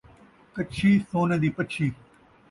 کچّھی ، سونے دی پَچّھی